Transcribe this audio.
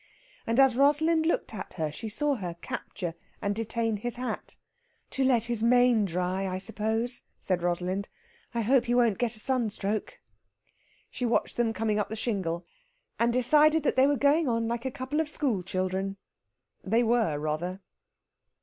And as Rosalind looked at her she saw her capture and detain his hat. "To let his mane dry, I suppose," said Rosalind. "I hope he won't get a sunstroke." She watched them coming up the shingle, and decided that they were going on like a couple of school children. They were, rather.